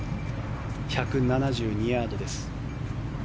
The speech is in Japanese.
１７２ヤードです。